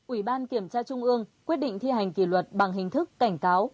ủy ban kiểm tra trung ương quyết định thi hành kỷ luật bằng hình thức cảnh cáo